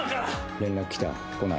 連絡来た？来ない？